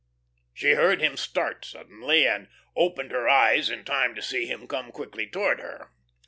She heard him start suddenly, and opened her eyes in time to see him come quickly towards her.